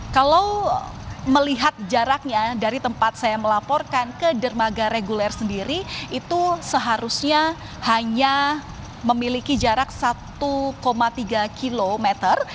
kalau melihat jaraknya dari tempat saya melaporkan ke dermaga reguler sendiri itu seharusnya hanya memiliki jarak satu tiga kilometer